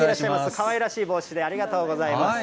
かわいらしい帽子でありがとうございます。